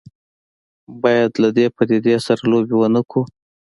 باید له دې پدیدې سره لوبې ونه کړو.